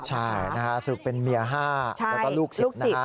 ใช่นะฮะสรุปเป็นเมีย๕แล้วก็ลูก๑๐นะฮะ